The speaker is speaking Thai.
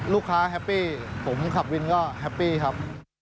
แฮปปี้ผมขับวินก็แฮปปี้ครับ